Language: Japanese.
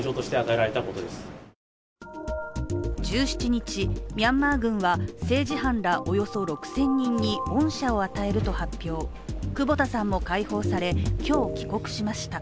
１７日、ミャンマー軍は政治犯らおよそ６０００人に恩赦を与えると発表、久保田さんも解放され今日帰国しました。